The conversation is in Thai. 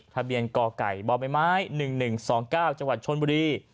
ทะเบียนกไก่บไม้๑๑๒๙จังหวัดชนบุรี